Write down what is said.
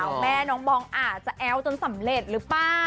เอาแม่น้องบองอาจจะแอ้วจนสำเร็จหรือเปล่า